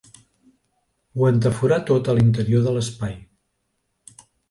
Ho entaforà tot a l'interior de l'espai.